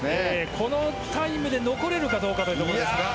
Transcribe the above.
このタイムで残れるかどうかというところ。